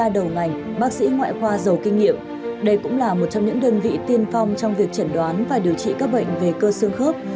đây cũng là một trong những đơn vị tiên phong trong việc chẩn đoán và điều trị các bệnh về cơ sương khớp